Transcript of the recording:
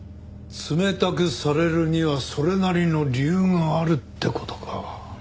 冷たくされるにはそれなりの理由があるって事か。